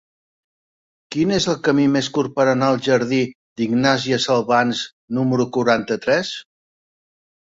Quin és el camí més curt per anar al jardí d'Ignàsia Salvans número quaranta-tres?